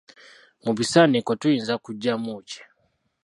Mu bisaniiko tuyinza kuggyamu ki?